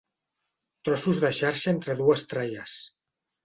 Trossos de xarxa entre dues tralles.